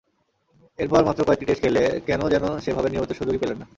এরপর মাত্র কয়েকটি টেস্ট খেলে কেন যেন সেভাবে নিয়মিত সুযোগই পেলেন না।